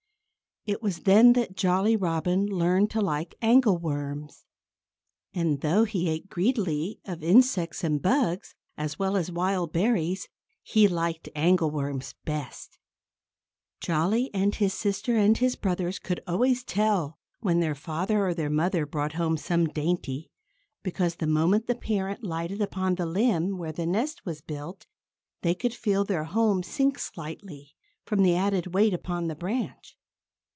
It was then that Jolly Robin learned to like angleworms. And though he ate greedily of insects and bugs, as well as wild berries, he liked angleworms best. Jolly and his sister and his brothers could always tell when their father or their mother brought home some dainty, because the moment the parent lighted upon the limb where the nest was built they could feel their home sink slightly, from the added weight upon the branch.